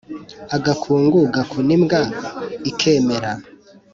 Agakungu gakuna imbwa ikemera